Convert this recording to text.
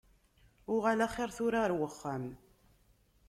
Uɣal axiṛ tura ar wexxam.